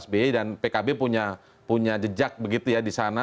sebut pak sbi dan pkb punya jejak begitu ya di sana